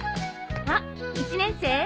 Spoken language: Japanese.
あっ１年生？